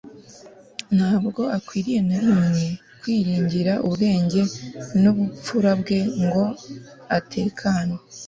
ntabwo akwiriye na rimwe kwiringira ubwenge n'ubupfura bwe ngo atekane